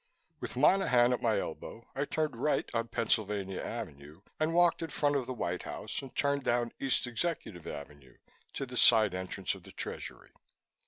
With Monaghan at my elbow, I turned right on Pennsylvania Avenue and walked in front of the White House and turned down East Executive Avenue to the side entrance of the Treasury.